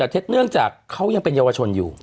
แต่เท็จเนื่องจากเขายังเป็นเยาวชนอยู่